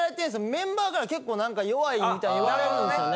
メンバーから結構弱いみたいに言われるんですよね。